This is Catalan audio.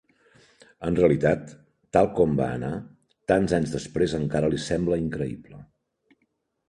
En realitat, tal com va anar, tants anys després encara li sembla increïble.